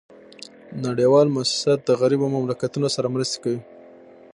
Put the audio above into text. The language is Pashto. نړیوال موسسات د غریبو مملکتونو سره مرستي کوي